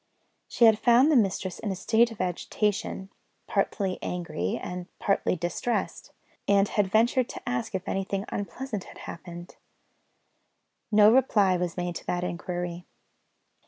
She had found the mistress in a state of agitation, partly angry, and partly distressed; and had ventured to ask if anything unpleasant had happened. No reply was made to that inquiry.